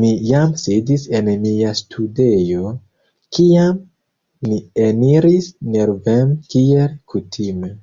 Mi jam sidis en mia studejo, kiam li eniris nerveme kiel kutime.